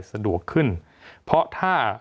สะดวกขึ้นเพราะถ้า